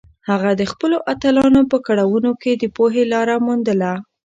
هغه د خپلو اتلانو په کړاوونو کې د پوهې لاره موندله.